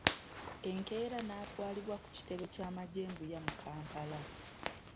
Enkeera naatwalibwa ku kitebe ky'amagye e Mbuya mu Kampala.